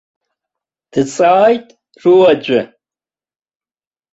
Дҵааит руаӡәы.